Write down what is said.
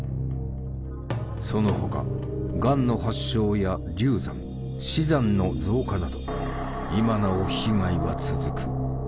その他がんの発症や流産・死産の増加など今なお被害は続く。